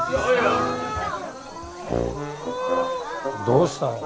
どうしたの？